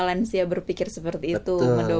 lansia berpikir seperti itu